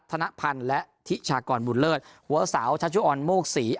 ธนพันธ์และทิชากรบุญเลิศหัวสาวชัชชุออนโมกศรี